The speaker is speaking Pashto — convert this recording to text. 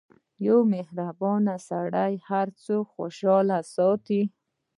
• یو مهربان سړی هر څوک خوشحال ساتي.